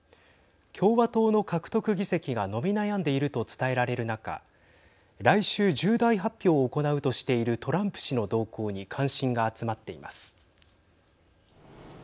共和党の獲得議席が伸び悩んでいると伝えられる中来週、重大発表を行うとしているトランプ氏の動向に関心が集まっています。